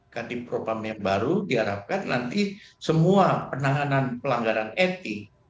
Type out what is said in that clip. kadipropam yang baru diharapkan nanti semua penanganan pelanggaran etik